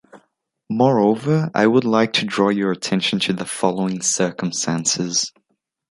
Moreover, I would like to draw your attention to the following circumstances.